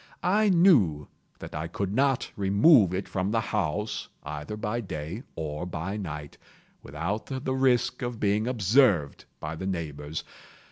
I knew that I could not remove it from the house, either by day or by night, without the risk of being observed by the neighbors.